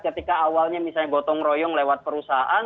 ketika awalnya misalnya gotong royong lewat perusahaan